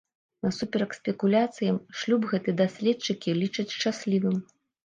Насуперак спекуляцыям, шлюб гэты даследчыкі лічаць шчаслівым.